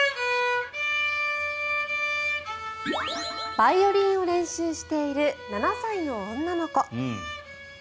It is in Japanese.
バイオリンを練習している７歳の女の子。